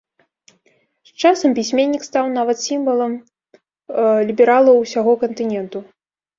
З часам пісьменнік стаў нават сімвалам лібералаў усяго кантыненту.